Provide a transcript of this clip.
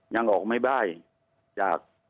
ยังออกไม่ได้จาก